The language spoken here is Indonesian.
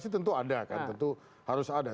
tentu ada kan tentu harus ada